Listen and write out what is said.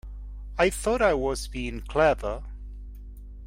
I thought I was being clever.